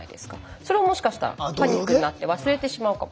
それをもしかしたらパニックになって忘れてしまうかも。